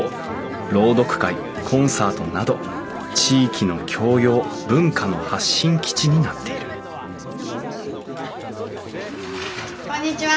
朗読会コンサートなど地域の教養文化の発信基地になっているこんにちは！